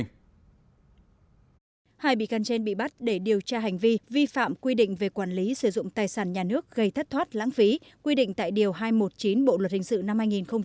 hai bị can trên bị bắt để điều tra hành vi vi phạm quy định về quản lý sử dụng tài sản nhà nước gây thất thoát lãng phí quy định tại điều hai trăm một mươi chín bộ luật hình sự năm hai nghìn một mươi năm